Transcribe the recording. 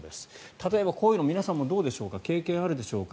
例えばこういうの皆さんも経験あるでしょうか。